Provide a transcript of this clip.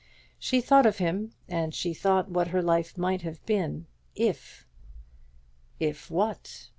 She thought of him, and she thought what her life might have been if If what?